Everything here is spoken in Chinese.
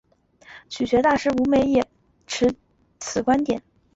曲学大师吴梅也持此观点。